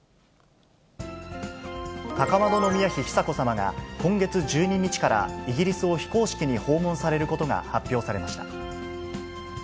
高円宮妃久子さまが今月１２日からイギリスを非公式に訪問されることが発表されました。